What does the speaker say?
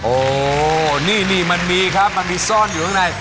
โอ้นี่นี่มันมีครับมันมีซ่อนอยู่ข้างใน